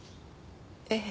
ええ。